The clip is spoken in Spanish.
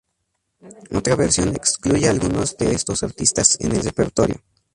Otra versión excluye a algunos de estos artistas en el repertorio.